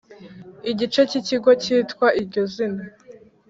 igice cy ikigo cyitwa iryo zina